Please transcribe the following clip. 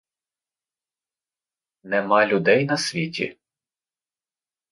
Нема людей на світі?